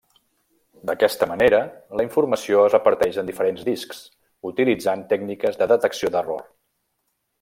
D'aquesta manera la informació es reparteix en diferents discs utilitzant tècniques de detecció d'error.